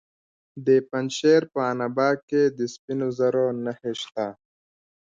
د پنجشیر په عنابه کې د سپینو زرو نښې شته.